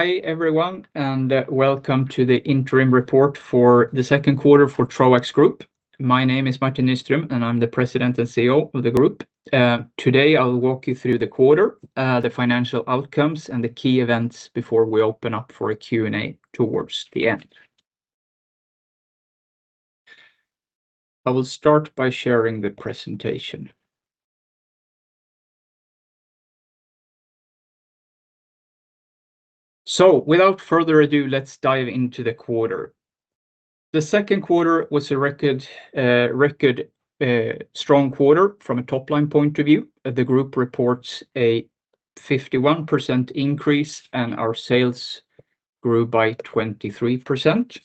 Hi everyone, and welcome to the interim report for the second quarter for Troax Group. My name is Martin Nyström, and I'm the President and CEO of the group. Today, I'll walk you through the quarter, the financial outcomes, and the key events before we open up for a Q&A towards the end. I will start by sharing the presentation. Without further ado, let's dive into the quarter. The second quarter was a record strong quarter from a top-line point of view. The group reports a 51% increase, and our sales grew by 23%.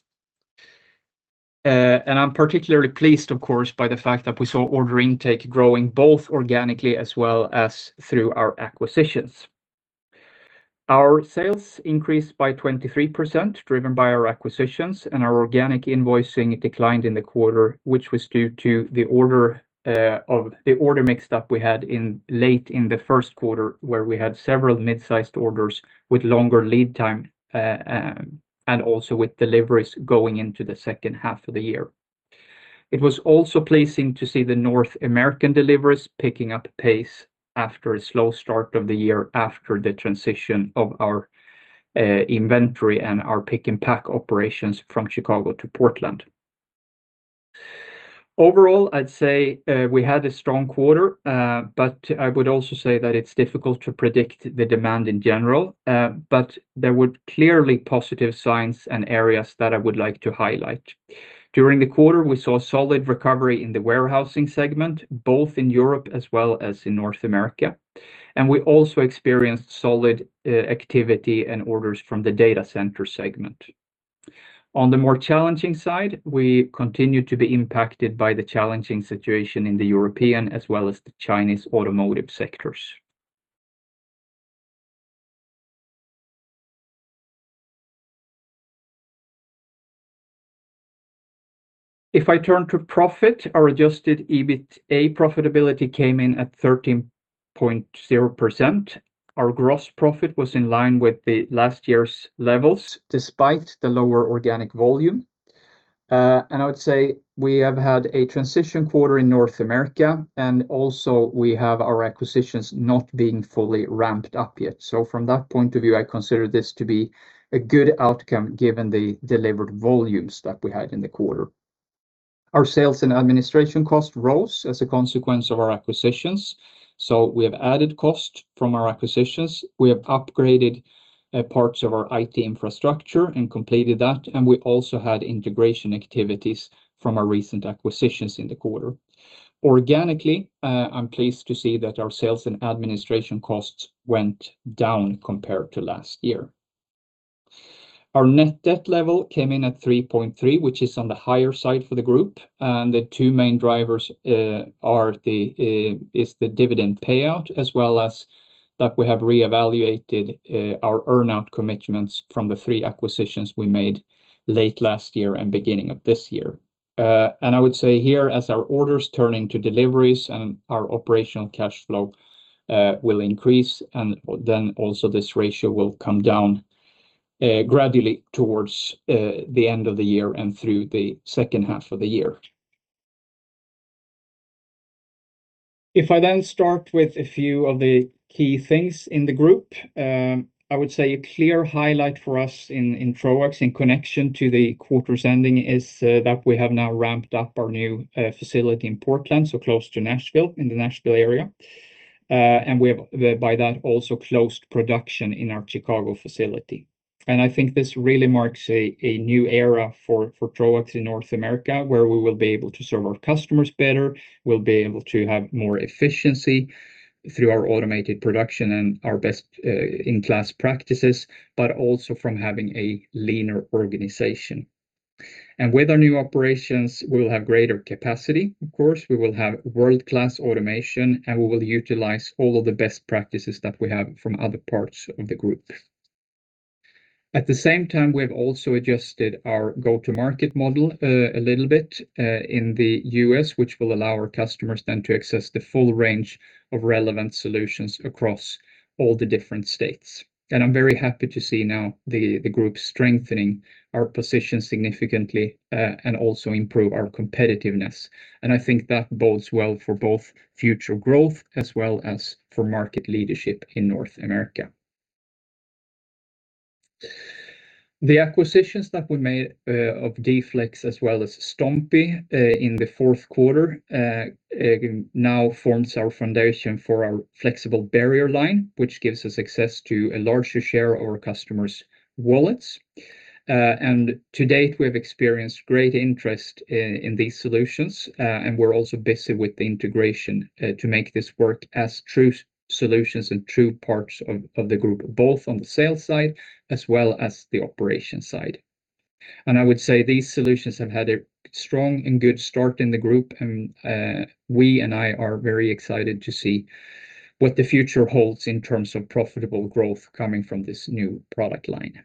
I'm particularly pleased, of course, by the fact that we saw order intake growing both organically as well as through our acquisitions. Our sales increased by 23%, driven by our acquisitions, and our organic invoicing declined in the quarter, which was due to the order mix that we had late in the first quarter, where we had several mid-sized orders with longer lead time, and also with deliveries going into the second half of the year. It was also pleasing to see the North American deliveries picking up pace after a slow start of the year after the transition of our inventory and our pick-and-pack operations from Chicago to Portland. Overall, I'd say we had a strong quarter, but I would also say that it's difficult to predict the demand in general. There were clearly positive signs and areas that I would like to highlight. During the quarter, we saw solid recovery in the warehousing segment, both in Europe as well as in North America. We also experienced solid activity and orders from the data center segment. On the more challenging side, we continue to be impacted by the challenging situation in the European as well as the Chinese automotive sectors. If I turn to profit, our adjusted EBITA profitability came in at 13.0%. Our gross profit was in line with the last year's levels, despite the lower organic volume. I would say we have had a transition quarter in North America, and also we have our acquisitions not being fully ramped up yet. From that point of view, I consider this to be a good outcome given the delivered volumes that we had in the quarter. Our sales and administration cost rose as a consequence of our acquisitions. We have added cost from our acquisitions. We have upgraded parts of our IT infrastructure and completed that, and we also had integration activities from our recent acquisitions in the quarter. Organically, I'm pleased to see that our sales and administration costs went down compared to last year. Our net debt level came in at 3.3, which is on the higher side for the group. The two main drivers is the dividend payout as well as that we have reevaluated our earn-out commitments from the three acquisitions we made late last year and beginning of this year. I would say here, as our orders turn into deliveries and our operational cash flow will increase, this ratio will come down gradually towards the end of the year and through the second half of the year. If I start with a few of the key things in the group, I would say a clear highlight for us in Troax in connection to the quarter's ending is that we have now ramped up our new facility in Portland, so close to Nashville, in the Nashville area. We have, by that, also closed production in our Chicago facility. I think this really marks a new era for Troax in North America, where we will be able to serve our customers better, we'll be able to have more efficiency through our automated production and our best-in-class practices, but also from having a leaner organization. With our new operations, we will have greater capacity, of course, we will have world-class automation, and we will utilize all of the best practices that we have from other parts of the group. At the same time, we have also adjusted our go-to-market model a little bit in the U.S., which will allow our customers then to access the full range of relevant solutions across all the different states. I'm very happy to see now the group strengthening our position significantly and also improve our competitiveness. I think that bodes well for both future growth as well as for market leadership in North America. The acquisitions that we made of d-flexx as well as Stommpy in the fourth quarter now forms our foundation for our flexible barrier line, which gives us access to a larger share of our customers' wallets. To date, we have experienced great interest in these solutions, and we're also busy with the integration to make this work as true solutions and true parts of the group, both on the sales side as well as the operations side. I would say these solutions have had a strong and good start in the group, and we and I are very excited to see what the future holds in terms of profitable growth coming from this new product line.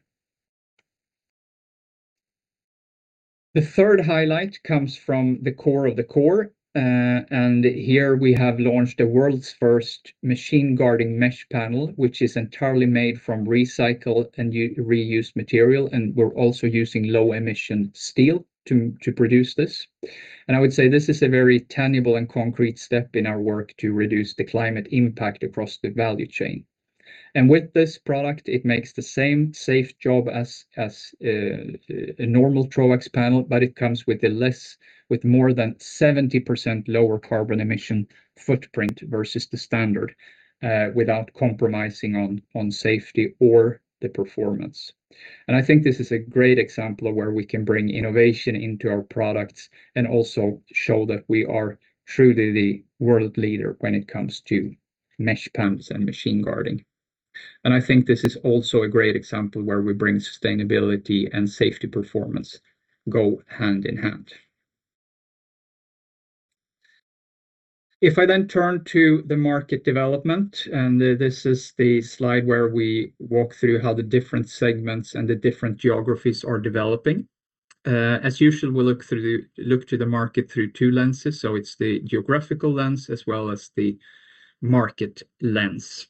The third highlight comes from the core of the core. Here we have launched the world's first machine guarding mesh panel, which is entirely made from recycled and reused material, and we're also using low-emission steel to produce this. I would say this is a very tangible and concrete step in our work to reduce the climate impact across the value chain. With this product, it makes the same safe job as a normal Troax panel, but it comes with more than 70% lower carbon emission footprint versus the standard, without compromising on safety or the performance. I think this is a great example of where we can bring innovation into our products and also show that we are truly the world leader when it comes to mesh panels and machine guarding. I think this is also a great example where we bring sustainability and safety performance go hand in hand. If I turn to the market development, this is the slide where we walk through how the different segments and the different geographies are developing. As usual, we look to the market through two lenses. It's the geographical lens as well as the market lens.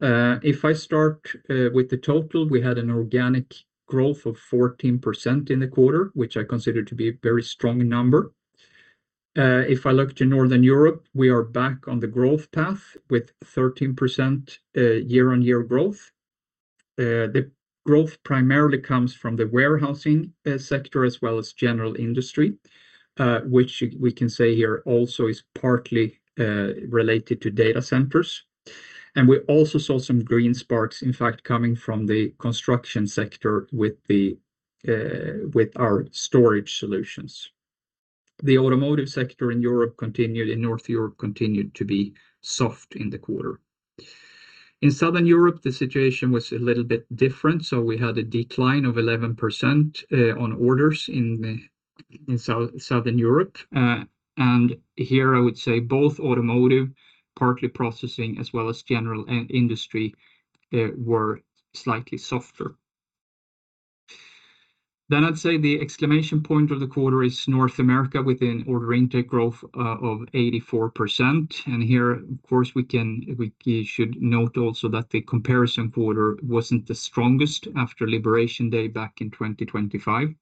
If I start with the total, we had an organic growth of 14% in the quarter, which I consider to be a very strong number. If I look to Northern Europe, we are back on the growth path with 13% year-on-year growth. The growth primarily comes from the warehousing sector as well as general industry, which we can say here also is partly related to data centers. We also saw some green sparks, in fact, coming from the construction sector with our storage solutions. The automotive sector in North Europe continued to be soft in the quarter. In Southern Europe, the situation was a little bit different. We had a decline of 11% on orders in Southern Europe. Here I would say both automotive, partly processing, as well as general industry, were slightly softer. I'd say the exclamation point of the quarter is North America with an order intake growth of 84%. Here, of course, we should note also that the comparison quarter wasn't the strongest after Liberation Day back in 2025.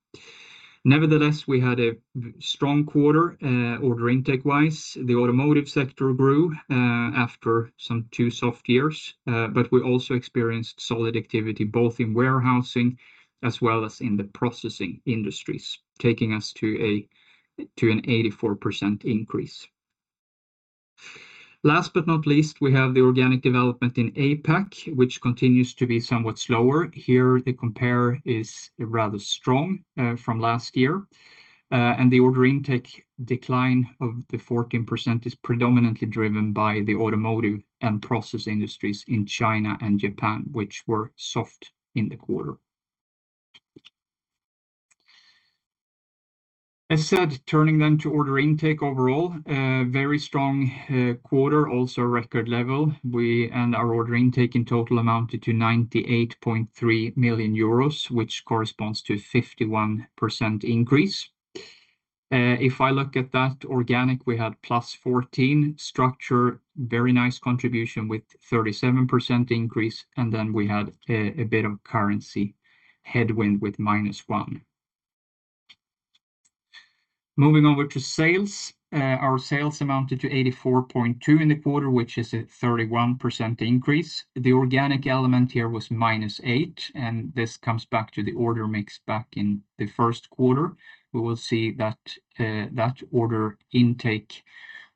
Nevertheless, we had a strong quarter order intake wise. The automotive sector grew after some two soft years. We also experienced solid activity both in warehousing as well as in the processing industries, taking us to an 84% increase. Last but not least, we have the organic development in APAC, which continues to be somewhat slower. Here, the compare is rather strong from last year. The order intake decline of the 14% is predominantly driven by the automotive and process industries in China and Japan, which were soft in the quarter. As said, turning to order intake overall, very strong quarter, also record level. Our order intake in total amounted to 98.3 million euros, which corresponds to 51% increase. If I look at that organic, we had +14 structure, very nice contribution with 37% increase, we had a bit of currency headwind with -1. Moving over to sales. Our sales amounted to 84.2 [million] in the quarter, which is a 31% increase. The organic element here was -8, and this comes back to the order mix back in the first quarter. We will see that order intake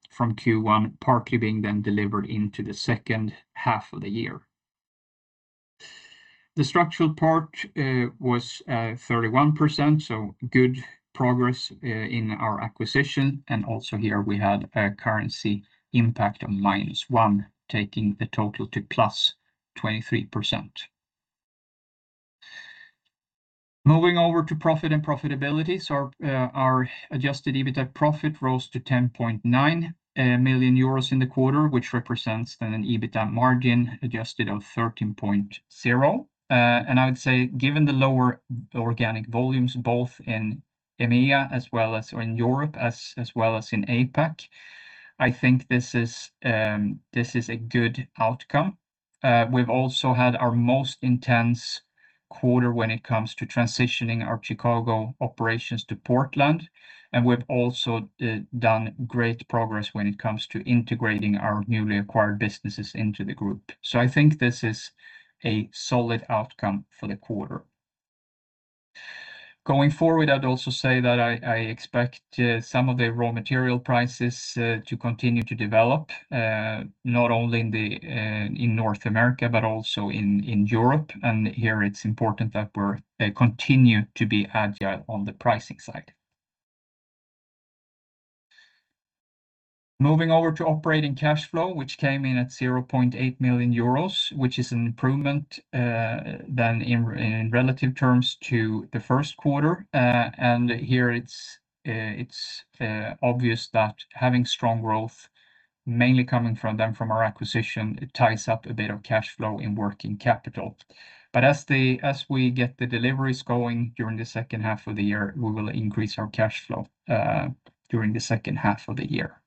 from Q1 partly being then delivered into the second half of the year. The structural part was 31%, good progress in our acquisition. Also, here we had a currency impact of -1, taking the total to +23%. Moving over to profit and profitability. Our adjusted EBITA profit rose to 10.9 million euros in the quarter, which represents then an EBITA margin adjusted of 13.0%. I would say, given the lower organic volumes, both in Europe as well as in APAC, I think this is a good outcome. We've also had our most intense quarter when it comes to transitioning our Chicago operations to Portland. We've also done great progress when it comes to integrating our newly acquired businesses into the group. I think this is a solid outcome for the quarter. Going forward, I'd also say that I expect some of the raw material prices to continue to develop, not only in North America but also in Europe. Here it's important that we continue to be agile on the pricing side. Moving over to operating cash flow, which came in at 0.8 million euros, which is an improvement than in relative terms to the first quarter. Here it is obvious that having strong growth, mainly coming from our acquisition, it ties up a bit of cash flow in working capital. As we get the deliveries going during the second half of the year, we will increase our cash flow during the second half of the year.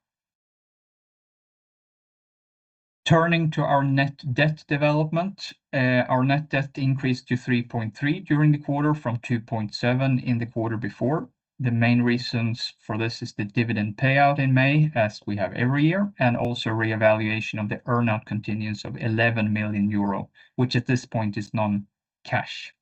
Turning to our net debt development. Our net debt increased to 3.3 during the quarter from 2.7 in the quarter before. The main reasons for this is the dividend payout in May, as we have arrear, and also revaluation of the earn-out contingents of 11 million euro, which at this point is non-cash.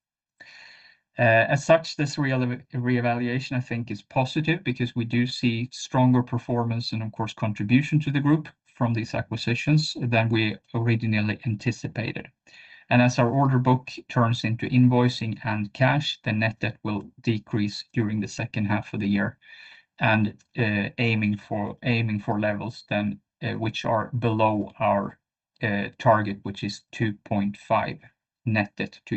As such, this revaluation, I think, is positive because we do see stronger performance and, of course, contribution to the group from these acquisitions than we originally anticipated. As our order book turns into invoicing and cash, the net debt will decrease during the second half of the year and aiming for levels then which are below our target, which is 2.5 net debt to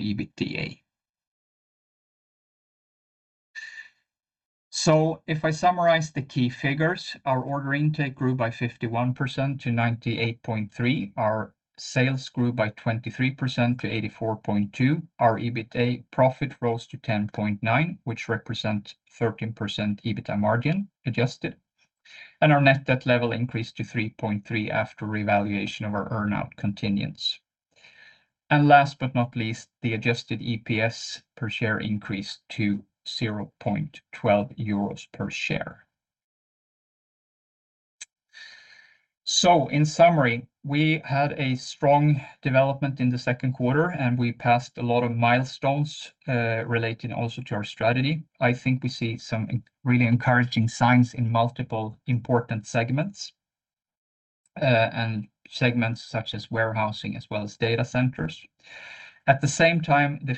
EBITDA. If I summarize the key figures, our order intake grew by 51% to 98.3 million. Our sales grew by 23% to 84.2 million. Our EBITA profit rose to 10.9 million, which represent 13% EBITA margin adjusted. Our net debt level increased to 3.3 after revaluation of our earn-out contingents. Last but not least, the adjusted EPS per share increased to 0.12 euros per share. In summary, we had a strong development in the second quarter and we passed a lot of milestones relating also to our strategy. I think we see some really encouraging signs in multiple important segments, and segments such as warehousing as well as data centers. At the same time, the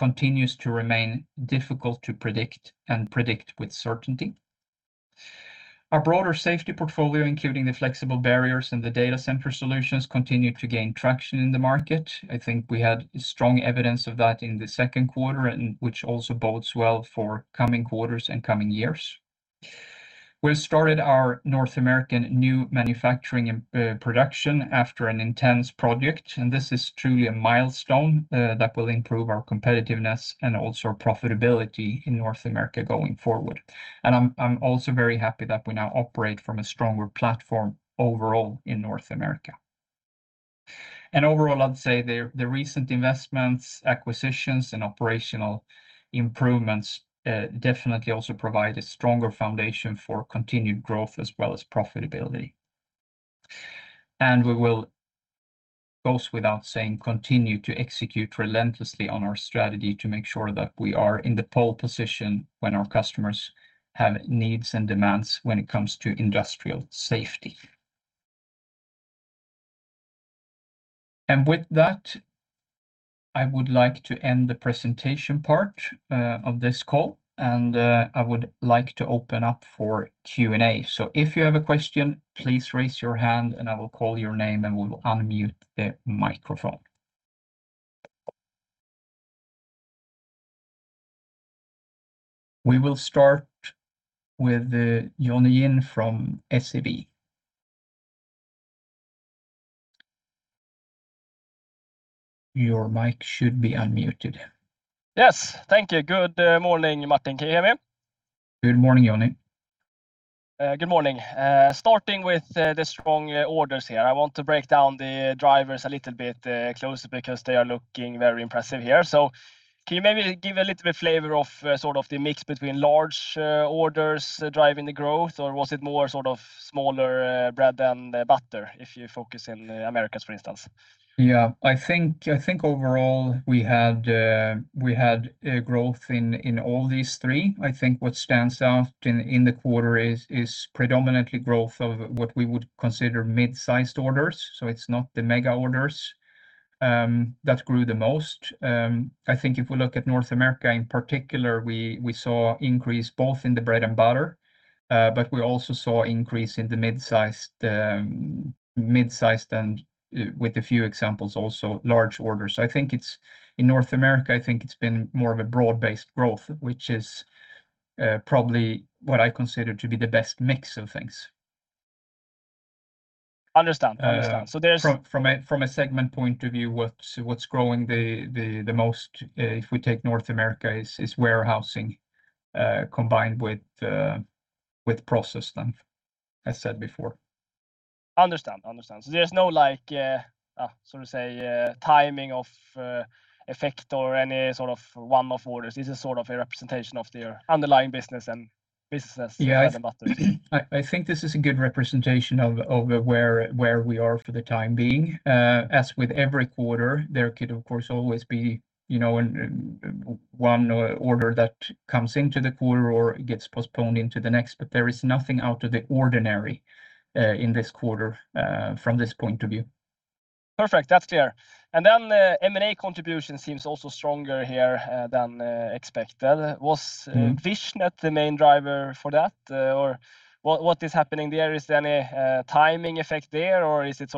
future continues to remain difficult to predict and predict with certainty. Our broader safety portfolio, including the flexible barriers and the data center solutions, continued to gain traction in the market. I think we had strong evidence of that in the second quarter, which also bodes well for coming quarters and coming years. We started our North American new manufacturing production after an intense project, this is truly a milestone that will improve our competitiveness and also our profitability in North America going forward. I am also very happy that we now operate from a stronger platform overall in North America. Overall, I would say the recent investments, acquisitions, and operational improvements definitely also provide a stronger foundation for continued growth as well as profitability. We will, goes without saying, continue to execute relentlessly on our strategy to make sure that we are in the pole position when our customers have needs and demands when it comes to industrial safety. With that, I would like to end the presentation part of this call, and I would like to open up for Q&A. If you have a question, please raise your hand and I will call your name, and we will unmute the microphone. We will start with Jonny Jin from SEB. Your mic should be unmuted. Yes. Thank you. Good morning, Martin. Can you hear me? Good morning, Jonny. Good morning. Starting with the strong orders here, I want to break down the drivers a little bit closer because they are looking very impressive here. Can you maybe give a little bit flavor of sort of the mix between large orders driving the growth, or was it more sort of smaller bread than the butter if you focus in the Americas, for instance? Yeah, I think overall we had growth in all these three. I think what stands out in the quarter is predominantly growth of what we would consider mid-sized orders. It's not the mega orders that grew the most. I think if we look at North America in particular, we saw increase both in the bread and butter. We also saw increase in the mid-sized and, with a few examples also, large orders. I think in North America, I think it's been more of a broad-based growth, which is probably what I consider to be the best mix of things. Understand. From a segment point of view, what's growing the most, if we take North America, is warehousing combined with process, as I said before. Understand. There's no timing of effect or any sort of one-off orders. This is sort of a representation of their underlying business and bread and butter. Yeah. I think this is a good representation of where we are for the time being. As with every quarter, there could, of course, always be one order that comes into the quarter or gets postponed into the next, but there is nothing out of the ordinary in this quarter from this point of view. Perfect. That's clear. The M&A contribution seems also stronger here than expected. Was Vichnet the main driver for that? Or what is happening there? Is there any timing effect there or is it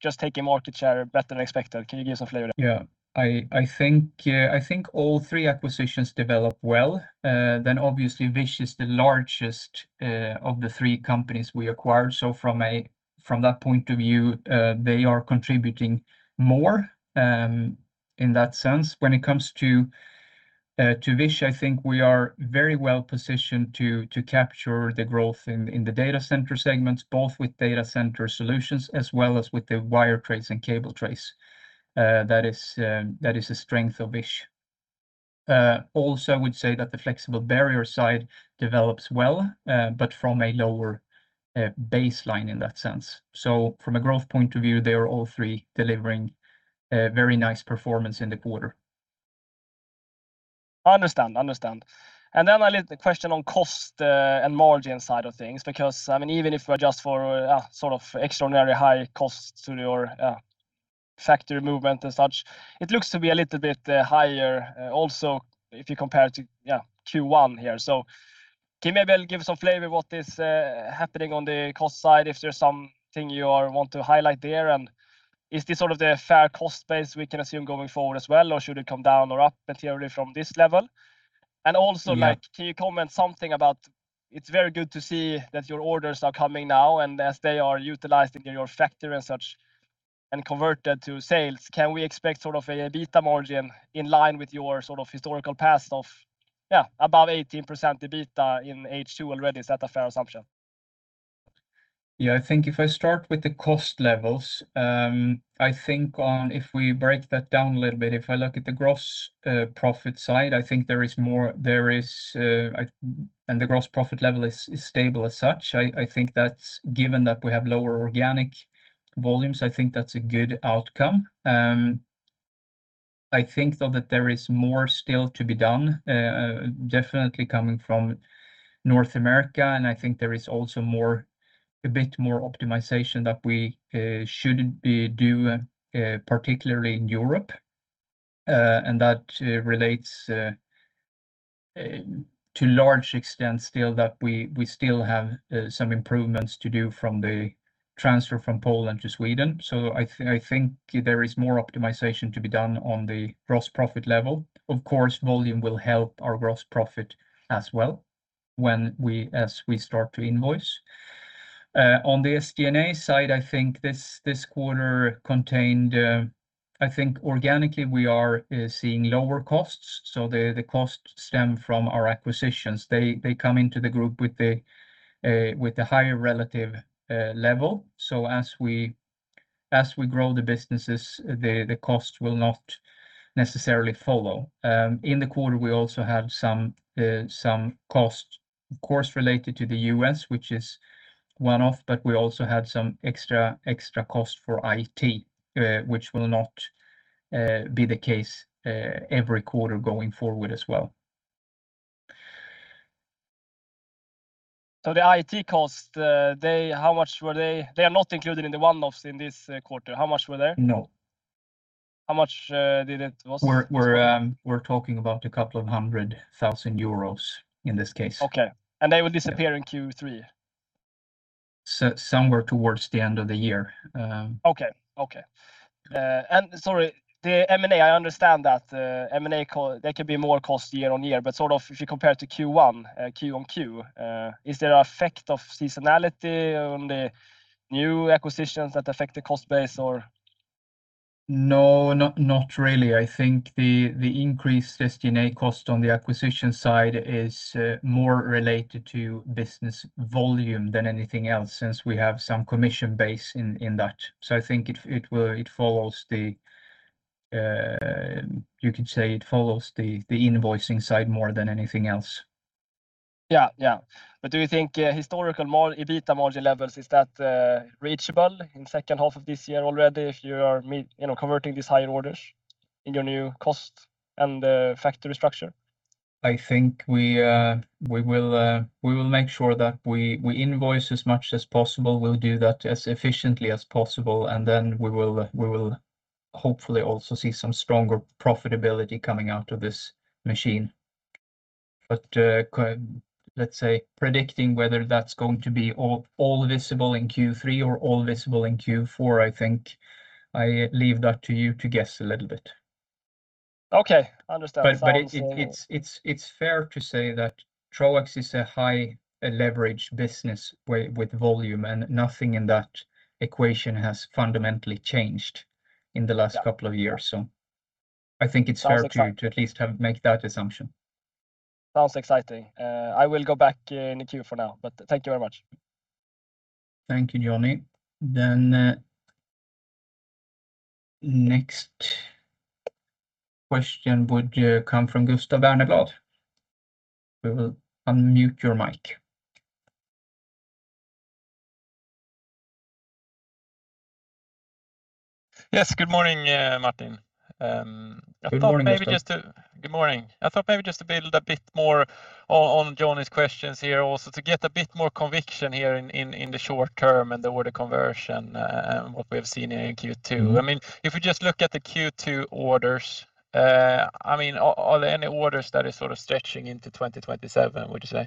just taking more to share better than expected? Can you give some flavor there? Yeah. I think all three acquisitions develop well. Obviously, Vich is the largest of the three companies we acquired. From that point of view, they are contributing more in that sense. When it comes to Vichnet, I think we are very well positioned to capture the growth in the data center segments, both with data center solutions as well as with the wire tray and cable tray. That is a strength of Vichnet. Also, I would say that the flexible barrier side develops well but from a lower baseline in that sense. From a growth point of view, they are all three delivering very nice performance in the quarter. Understand. A question on cost and margin side of things, because even if we adjust for extraordinary high costs to your factory movement and such, it looks to be a little bit higher. Also, if you compare it to Q1 here. Can you maybe give us some flavor what is happening on the cost side, if there's something you want to highlight there, and is this the fair cost base we can assume going forward as well, or should it come down or up materially from this level? And also, can you comment something about, it's very good to see that your orders are coming now and as they are utilized in your factory and such and converted to sales, can we expect an EBITA margin in line with your historical past of above 18% EBITA in H2 already? Is that a fair assumption? Yeah, I think if I start with the cost levels, if we break that down a little bit, the gross profit level is stable as such, I think that given that we have lower organic volumes, I think that's a good outcome. I think, though, that there is more still to be done, definitely coming from North America, I think there is also a bit more optimization that we should do, particularly in Europe. That relates to large extent still that we still have some improvements to do from the transfer from Poland to Sweden. I think there is more optimization to be done on the gross profit level. Of course, volume will help our gross profit as well as we start to invoice. On the SG&A side, I think this quarter contained, I think organically we are seeing lower costs, the costs stem from our acquisitions. They come into the group with the higher relative level. As we grow the businesses, the cost will not necessarily follow. In the quarter, we also have some cost, of course, related to the U.S., which is one-off, we also had some extra cost for IT, which will not be the case every quarter going forward as well. The IT cost, how much were they? They are not included in the one-offs in this quarter. How much were they? No. How much was it? We're talking about a couple of hundred thousand Euros in this case. Okay. They will disappear in Q3? Somewhere towards the end of the year. Okay. I understand that M&A there can be more cost year-on-year, but if you compare to Q1, Q-on-Q, is there an effect of seasonality on the new acquisitions that affect the cost base or? No, not really. I think the increased SG&A cost on the acquisition side is more related to business volume than anything else, since we have some commission base in that. I think you could say it follows the invoicing side more than anything else. Yeah. Do you think historical EBITA margin levels, is that reachable in second half of this year already if you are converting these higher orders in your new cost and factory structure? I think we will make sure that we invoice as much as possible. We'll do that as efficiently as possible, and then we will hopefully also see some stronger profitability coming out of this machine. Let's say predicting whether that's going to be all visible in Q3 or all visible in Q4, I think I leave that to you to guess a little bit. Okay, understood. It's fair to say that Troax is a high leverage business with volume, nothing in that equation has fundamentally changed in the last couple of years, I think it's fair to at least make that assumption. Sounds exciting. I will go back in the queue for now, thank you very much. Thank you, Jonny. Next question would come from Gustav Berneblad. We will unmute your mic. Yes. Good morning, Martin. Good morning, Gustav. Good morning. I thought maybe just to build a bit more on Jonny's questions here also to get a bit more conviction here in the short term and the order conversion and what we have seen here in Q2. If we just look at the Q2 orders, are there any orders that are stretching into 2027, would you say?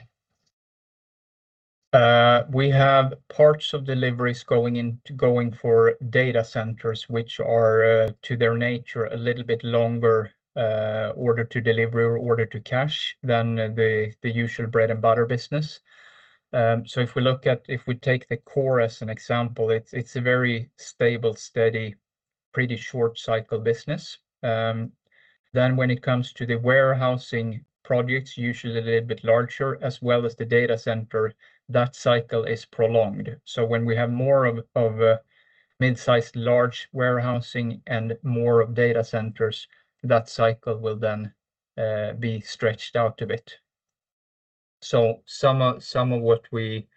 We have parts of deliveries going for data centers, which are, to their nature, a little bit longer order to delivery or order to cash than the usual bread and butter business. If we take the core as an example, it's a very stable, steady Pretty short cycle business. When it comes to the warehousing projects, usually a little bit larger, as well as the data center, that cycle is prolonged. When we have more of mid-sized large warehousing and more of data centers, that cycle will then be stretched out a bit. Some of what we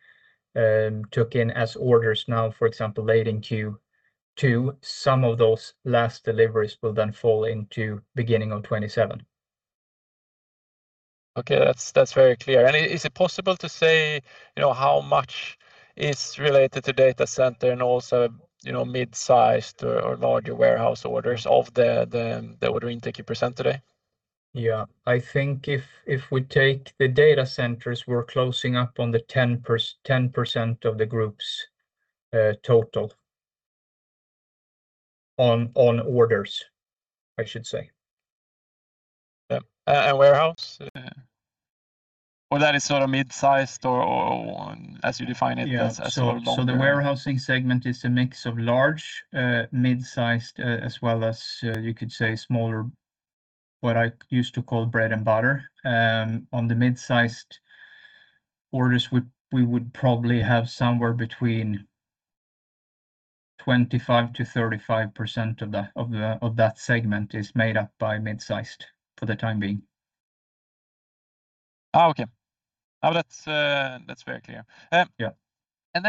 took in as orders now, for example, late in Q2, some of those last deliveries will then fall into beginning of 2027. Okay. That's very clear. Is it possible to say how much is related to data center and also mid-sized or larger warehouse orders of the order intake you present today? Yeah. I think if we take the data centers, we're closing up on the 10% of the group's total on orders, I should say. Yeah. Warehouse? That is mid-sized, as you define it? The warehousing segment is a mix of large, mid-sized, as well as, you could say smaller, what I used to call bread and butter. On the mid-sized orders, we would probably have somewhere between 25%-35% of that segment is made up by mid-sized for the time being. Okay. That's very clear. Yeah.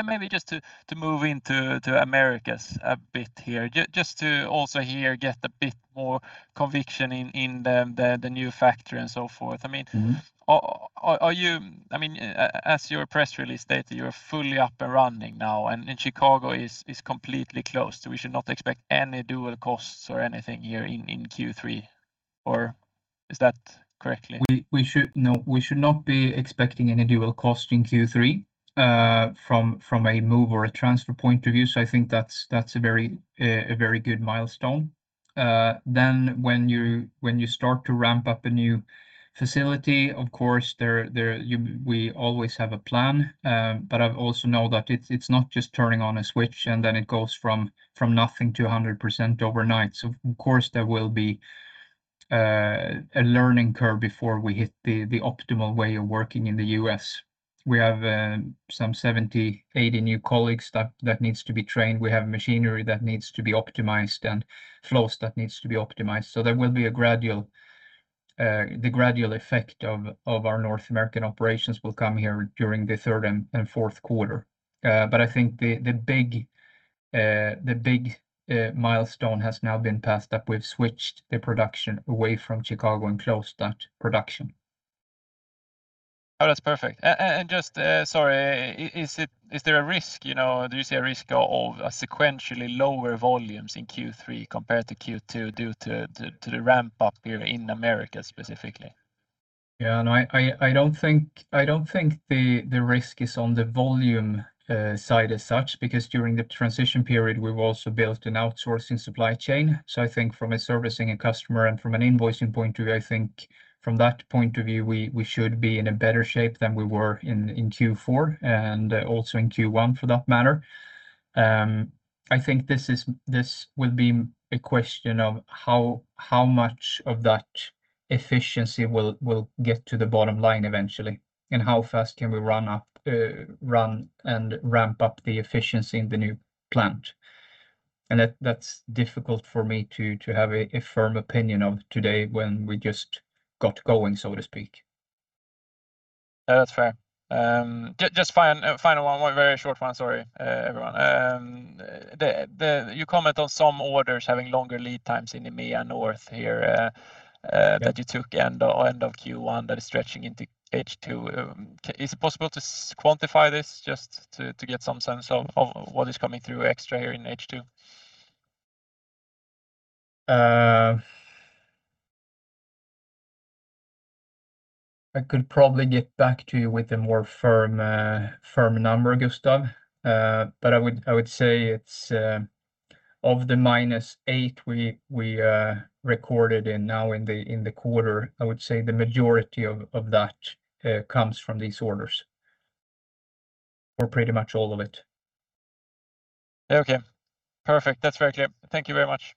Maybe just to move into Americas a bit here, just to also here get a bit more conviction in the new factory and so forth. As your press release stated, you're fully up and running now, Chicago is completely closed, we should not expect any dual costs or anything here in Q3, or is that correctly? No, we should not be expecting any dual cost in Q3 from a move or a transfer point of view. I think that's a very good milestone. When you start to ramp up a new facility, of course, we always have a plan, I also know that it's not just turning on a switch and it goes from nothing to 100% overnight. Of course, there will be a learning curve before we hit the optimal way of working in the U.S. We have some 70, 80 new colleagues that needs to be trained. We have machinery that needs to be optimized and flows that needs to be optimized. The gradual effect of our North American operations will come here during the third and fourth quarter. I think the big milestone has now been passed that we've switched the production away from Chicago and closed that production. Oh, that's perfect. Just, sorry, do you see a risk of a sequentially lower volumes in Q3 compared to Q2 due to the ramp up here in America specifically? Yeah. No, I don't think the risk is on the volume side as such, because during the transition period, we've also built an outsourcing supply chain. I think from a servicing a customer and from an invoicing point of view, I think from that point of view, we should be in a better shape than we were in Q4 and also in Q1 for that matter. I think this will be a question of how much of that efficiency will get to the bottom line eventually, and how fast can we run and ramp up the efficiency in the new plant. That's difficult for me to have a firm opinion of today when we just got going, so to speak. No, that's fair. Just final one, very short one. Sorry, everyone. You comment on some orders having longer lead times in the EMEA North here that you took end of Q1 that is stretching into H2. Is it possible to quantify this just to get some sense of what is coming through extra here in H2? I could probably get back to you with a more firm number, Gustav. I would say it's of the -8 [week] we recorded and now in the quarter, I would say the majority of that comes from these orders or pretty much all of it. Okay. Perfect. That's very clear. Thank you very much.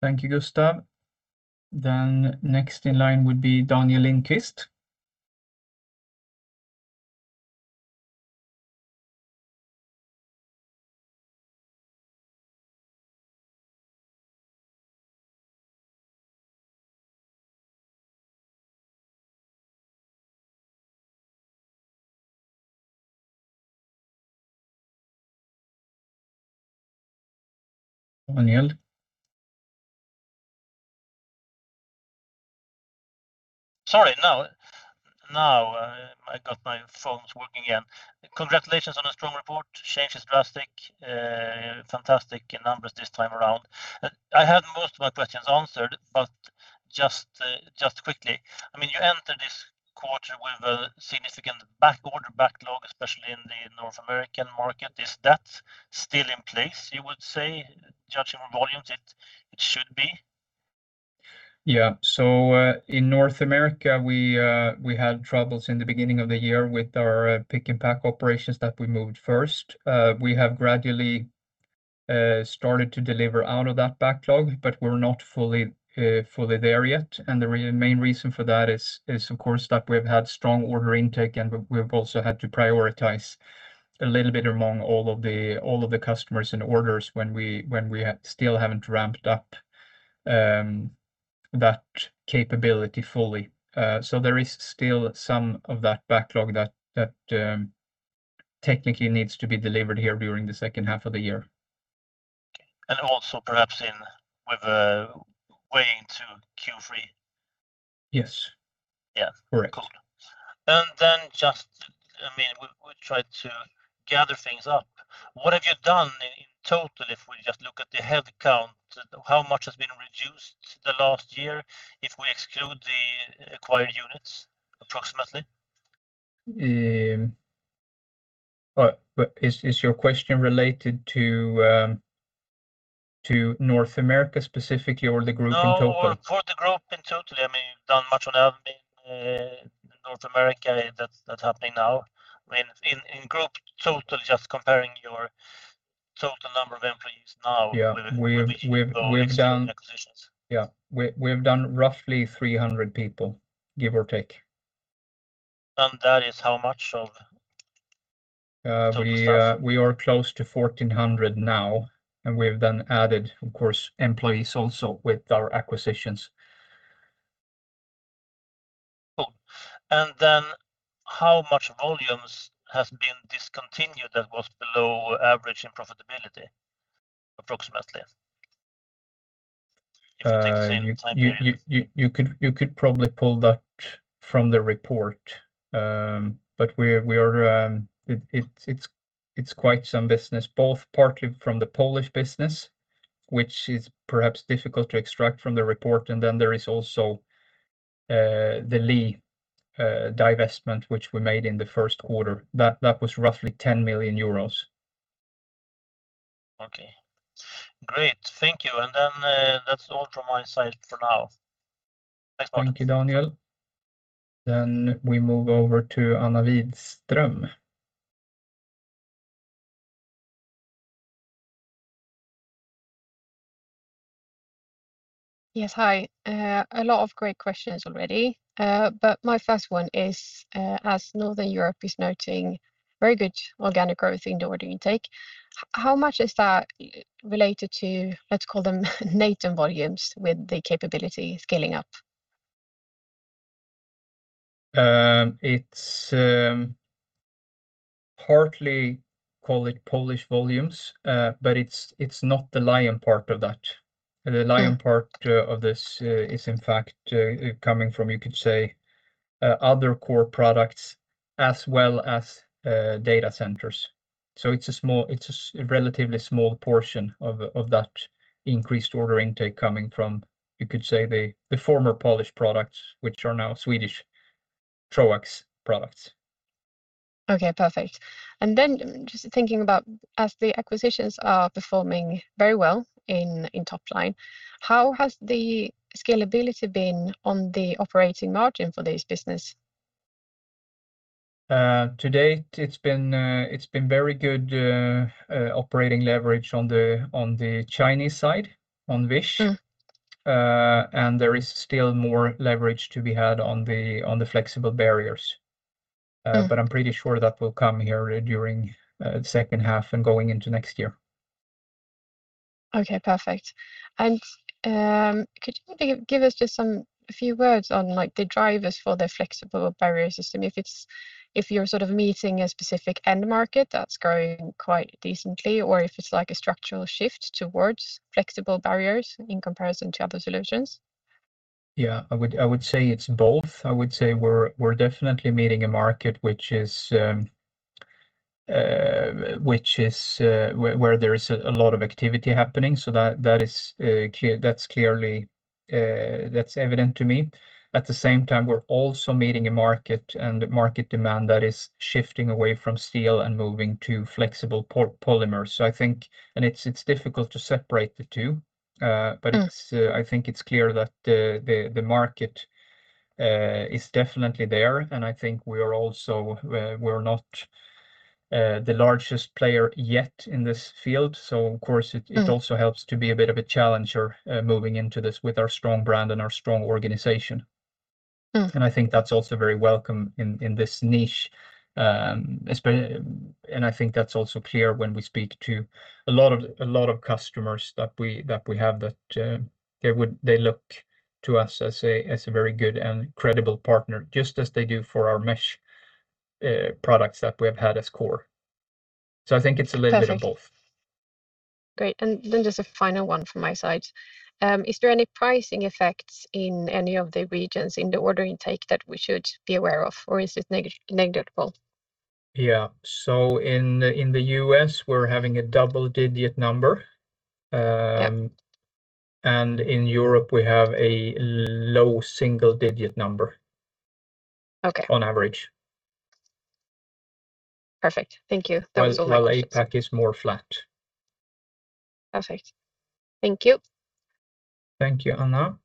Thank you, Gustav. Next in line would be Daniel Lindkvist. Daniel? Sorry. I got my phones working again. Congratulations on a strong report. Change is drastic. Fantastic numbers this time around. I had most of my questions answered, just quickly, you enter this quarter with a significant backorder backlog, especially in the North American market. Is that still in place, you would say? Judging from volumes, it should be. Yeah. In North America, we had troubles in the beginning of the year with our pick-and-pack operations that we moved first. We have gradually started to deliver out of that backlog, but we're not fully there yet. The main reason for that is, of course, that we've had strong order intake, and we've also had to prioritize a little bit among all of the customers and orders when we still haven't ramped up that capability fully. There is still some of that backlog that technically needs to be delivered here during the second half of the year. Okay. Also, perhaps with a way into Q3? Yes. Yeah. Correct. Cool. Just to gather things up, what have you done in total, if we just look at the head count? How much has been reduced in the last year if we exclude the acquired units, approximately? Is your question related to North America specifically, or the group in total? No, for the group in total. You've done much on admin in North America, that's happening now. In group total, just comparing your total number of employees now with or without the acquisitions. Yeah. We've done roughly 300 people, give or take. That is how much of total staff? We are close to 1,400 now, and we've then added, of course, employees also with our acquisitions. Cool. How much volumes have been discontinued that was below average in profitability, approximately? [If you take same time periods.] You could probably pull that from the report. It's quite some business, both partly from the Polish business, which is perhaps difficult to extract from the report, and then there is also the Lee divestment which we made in the first quarter. That was roughly 10 million euros. Okay. Great. Thank you. That's all from my side for now. Thanks, Martin. Thank you, Daniel. We move over to Anna Widström. Yes. Hi. A lot of great questions already. My first one is, as Northern Europe is noting very good organic growth in the order intake, how much is that related to, let's call them Natom volumes with the capability scaling up? It's partly, call it Polish volumes, but it's not the lion part of that. The lion part of this is in fact coming from, you could say, other core products as well as data centers. It's a relatively small portion of that increased order intake coming from, you could say the former Polish products, which are now Swedish Troax products. Okay, perfect. Then just thinking about as the acquisitions are performing very well in top line, how has the scalability been on the operating margin for this business? To date, it's been very good operating leverage on the Chinese side, on mesh. There is still more leverage to be had on the flexible barriers. I'm pretty sure that will come here during the second half and going into next year. Okay, perfect. Could you maybe give us just a few words on the drivers for the flexible barrier system, if you're sort of meeting a specific end market that's growing quite decently, or if it's like a structural shift towards flexible barriers in comparison to other solutions? Yeah, I would say it's both. I would say we're definitely meeting a market where there is a lot of activity happening. That's evident to me. At the same time, we're also meeting a market and market demand that is shifting away from steel and moving to flexible polymers. I think it's difficult to separate the two. I think it's clear that the market is definitely there. I think we're not the largest player yet in this field, of course it also helps to be a bit of a challenger moving into this with our strong brand and our strong organization. I think that's also very welcome in this niche. I think that's also clear when we speak to a lot of customers that we have, that they look to us as a very good and credible partner, just as they do for our mesh products that we have had as core. I think it's a little bit of both. Perfect. Great. Then just a final one from my side. Is there any pricing effects in any of the regions in the order intake that we should be aware of, or is it negligible? Yeah. In the U.S., we're having a double-digit number. In Europe, we have a low single-digit number. Okay. On average. Perfect. Thank you. That was all my questions. APAC is more flat. Perfect. Thank you. Thank you, Anna.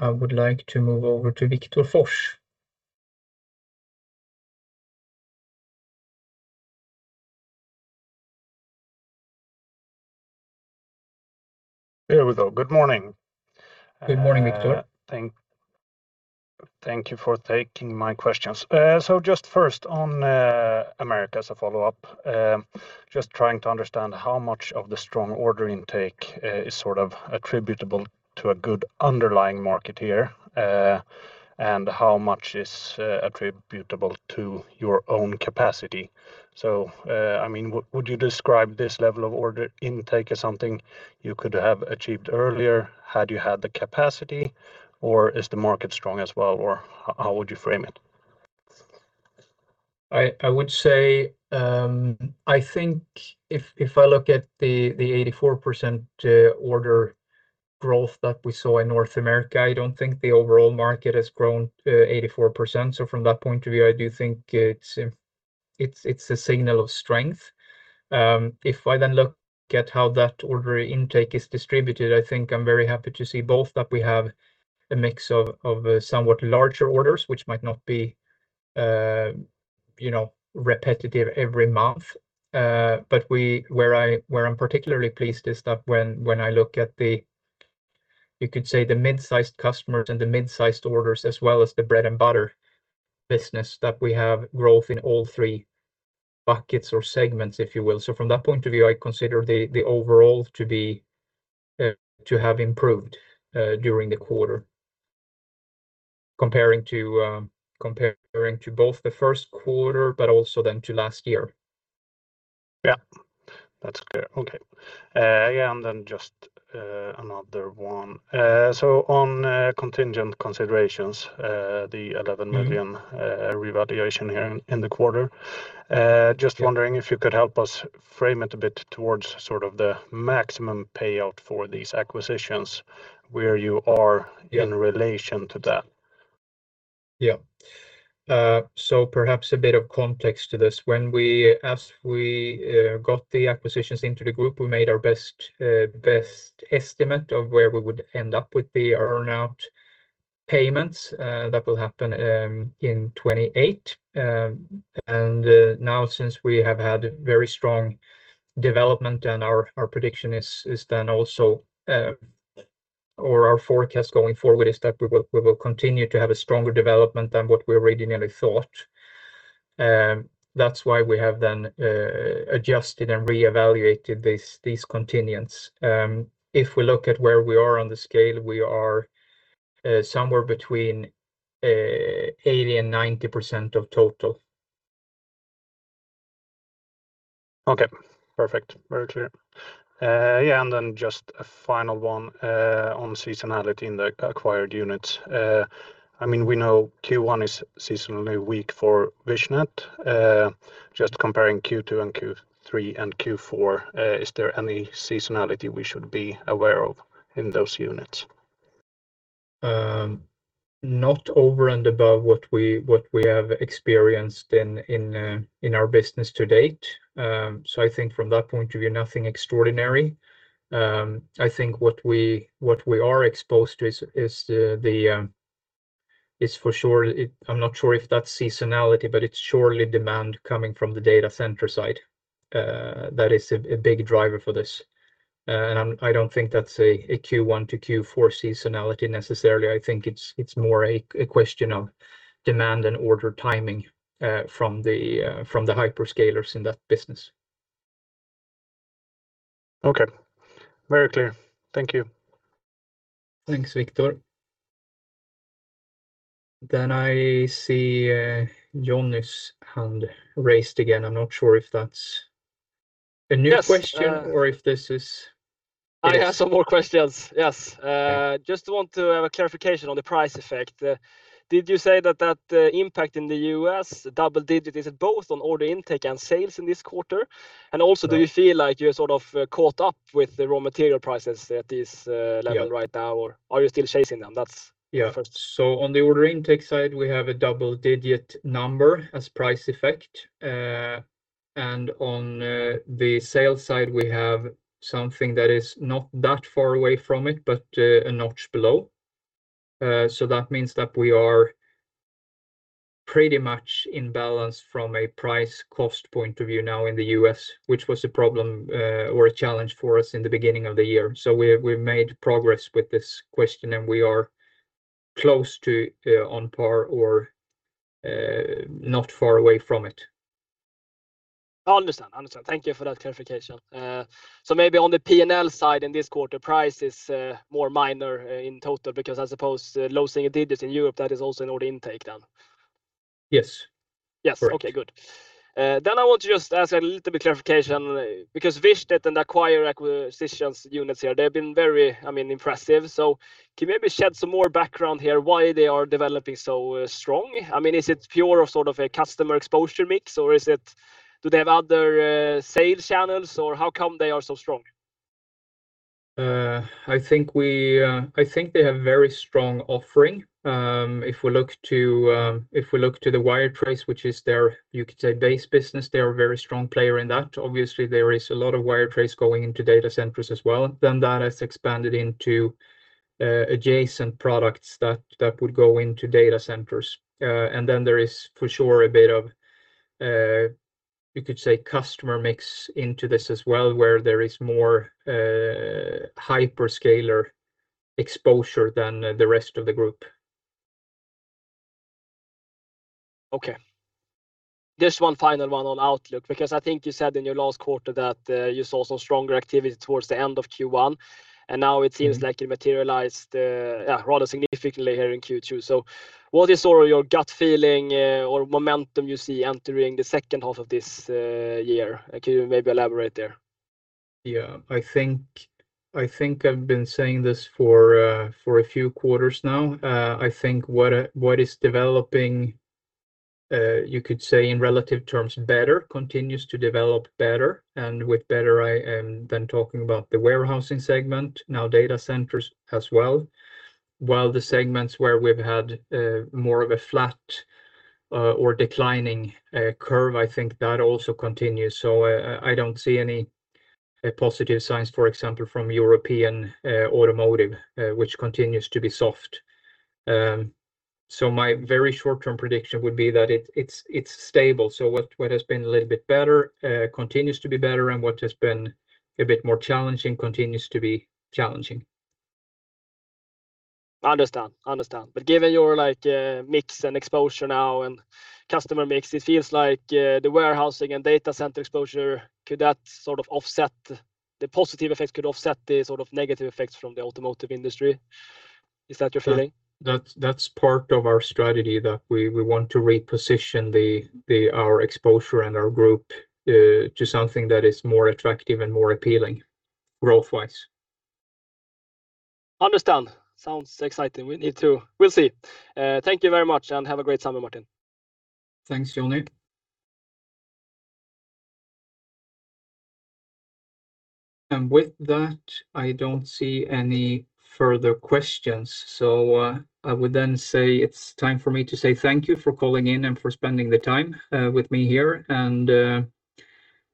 I would like to move over to Viktor Fors. Here we go. Good morning. Good morning, Viktor. Thank you for taking my questions. Just first on America, as a follow-up, just trying to understand how much of the strong order intake is attributable to a good underlying market here, and how much is attributable to your own capacity. Would you describe this level of order intake as something you could have achieved earlier had you had the capacity, or is the market strong as well, or how would you frame it? I would say, I think if I look at the 84% order growth that we saw in North America, I don't think the overall market has grown 84%. From that point of view, I do think it's a signal of strength. If I then look at how that order intake is distributed, I think I'm very happy to see both that we have a mix of somewhat larger orders, which might not be repetitive every month. Where I'm particularly pleased is that when I look at the, you could say the mid-sized customers and the mid-sized orders as well as the bread-and-butter business, that we have growth in all three buckets or segments, if you will. From that point of view, I consider the overall to have improved during the quarter comparing to both the first quarter, but also then to last year. Yeah. That's clear. Just another one. On contingent considerations, the 11 million revaluation here in the quarter. Just wondering if you could help us frame it a bit towards sort of the maximum payout for these acquisitions, where you are in relation to that. Yeah. Perhaps a bit of context to this. As we got the acquisitions into the group, we made our best estimate of where we would end up with the earn-out payments that will happen in 2028. Since we have had very strong development and our prediction is then also, or our forecast going forward is that we will continue to have a stronger development than what we originally thought. That's why we have then adjusted and reevaluated these contingents. If we look at where we are on the scale, we are somewhere between 80% and 90% of total. Okay, perfect. Very clear. Just a final one on seasonality in the acquired units. We know Q1 is seasonally weak for Vichnet. Just comparing Q2 and Q3 and Q4, is there any seasonality we should be aware of in those units? Not over and above what we have experienced in our business to date. I think from that point of view, nothing extraordinary. I think what we are exposed to is for sure, I'm not sure if that's seasonality, but it's surely demand coming from the data center side. That is a big driver for this. I don't think that's a Q1 to Q4 seasonality necessarily. I think it's more a question of demand and order timing from the hyperscalers in that business. Okay. Very clear. Thank you. Thanks, Viktor. I see Jonny's hand raised again. I'm not sure if that's a new question or if this is- I have some more questions. Yes. Just want to have a clarification on the price effect. Did you say that that impact in the U.S., double digits, is it both on order intake and sales in this quarter? Also, do you feel like you're sort of caught up with the raw material prices at this level right now, or are you still chasing them? That's first. On the order intake side, we have a double-digit number as price effect. On the sales side, we have something that is not that far away from it, but a notch below. That means that we are pretty much in balance from a price cost point of view now in the U.S., which was a problem or a challenge for us in the beginning of the year. We've made progress with this question, and we are close to on par or not far away from it. I understand. Thank you for that clarification. Maybe on the [T&L] side in this quarter, price is more minor in total because I suppose low single digits in Europe, that is also an order intake then. Yes. Yes. Okay, good. I want to just ask a little bit clarification because Vichnet and acquired acquisitions units here, they've been very impressive. Can you may be shed some more background here why they are developing so strong? Is it pure of sort of a customer exposure mix, or do they have other sales channels, or how come they are so strong? I think they have very strong offering. If we look to the wire tray, which is their, you could say, base business, they are a very strong player in that. Obviously, there is a lot of wire tray going into data centers as well. That has expanded into adjacent products that would go into data centers. There is for sure a bit of, you could say, customer mix into this as well, where there is more hyperscaler exposure than the rest of the group. Okay. Just one final one on outlook, because I think you said in your last quarter that you saw some stronger activity towards the end of Q1, and now it seems like it materialized rather significantly here in Q2. What is your gut feeling or momentum you see entering the second half of this year? Can you maybe elaborate there? Yeah. I think I've been saying this for a few quarters now. I think what is developing, you could say in relative terms better continues to develop better, and with better I am then talking about the warehousing segment, now data centers as well. While the segments where we've had more of a flat or declining curve, I think that also continues. I don't see any positive signs, for example, from European automotive, which continues to be soft. My very short-term prediction would be that it's stable. What has been a little bit better continues to be better, and what has been a bit more challenging continues to be challenging. Understand. Given your mix and exposure now and customer mix, it feels like the warehousing and data center exposure, the positive effects could offset the negative effects from the automotive industry. Is that you're feeling? That's part of our strategy that we want to reposition our exposure and our group to something that is more attractive and more appealing growth-wise. Understand. Sounds exciting. We'll see. Thank you very much, and have a great summer, Martin. Thanks, Jonny. With that, I don't see any further questions. I would then say it's time for me to say thank you for calling in and for spending the time with me here.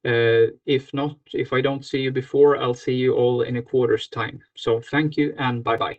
If I don't see you before, I'll see you all in a quarter's time. Thank you and bye-bye.